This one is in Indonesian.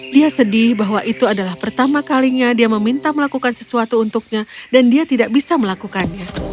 dia sedih bahwa itu adalah pertama kalinya dia meminta melakukan sesuatu untuknya dan dia tidak bisa melakukannya